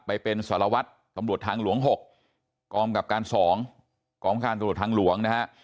ไปเป็นสารวัฒน์ตำรวจทางหลวง๖กองประกับการ๒กองประกันตำรวจทางหลวงนะครับ